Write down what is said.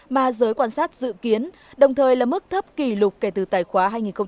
mà giới quan sát dự kiến đồng thời là mức thấp kỷ lục kể từ tài khoá hai nghìn sáu hai nghìn bảy